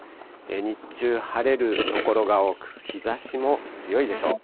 日中、晴れる所が多く、日ざしも強いでしょう。